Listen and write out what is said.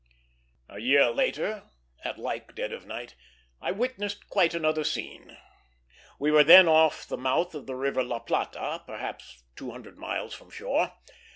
A year later, at like dead of night, I witnessed quite another scene. We were then off the mouth of the river La Plata, perhaps two hundred miles from shore.